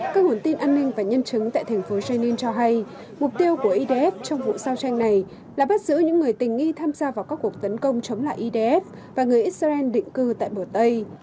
các nguồn tin an ninh và nhân chứng tại thành phố jenny cho hay mục tiêu của idf trong vụ giao tranh này là bắt giữ những người tình nghi tham gia vào các cuộc tấn công chống lại idf và người israel định cư tại bờ tây